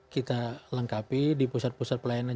kita lengkapi di pusat pusat pelayanan